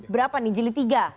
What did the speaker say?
berapa nih jili tiga